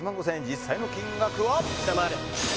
実際の金額は下回れ！